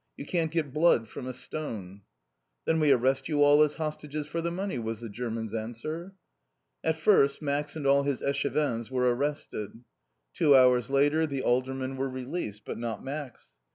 "You can't get blood from a stone." "Then we arrest you all as hostages for the money," was the German's answer. At first Max and all his Échevins were arrested. Two hours later the aldermen were released. But not Max.